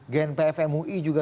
gen pf mui juga